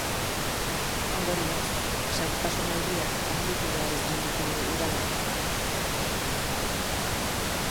Ondorioz, segurtasun neurriak handitu behar izan ditu udalak.